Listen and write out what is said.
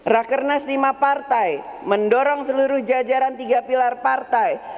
sepuluh rakyat kernas lima partai mendorong seluruh jajaran tiga pilar partai